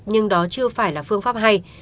nhưng đó chưa phải là phương pháp hay